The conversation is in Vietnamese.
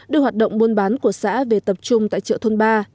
đưa hoạt động buôn bán của xã về tập trung tại chợ thôn ba